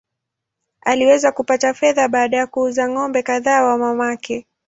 Aliweza kupata fedha baada ya kuuza ng’ombe kadhaa wa mamake.